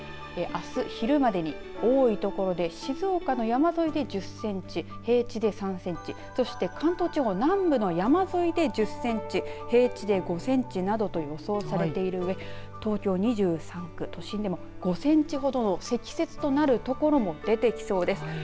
あす昼までに、多い所で静岡の山沿いで１０センチ平地で３センチそして関東地方南部の山沿いで１０センチ平地で５センチなどと予想されているので東京２３区都心でも５センチほどの積雪となる所も出てきそうです。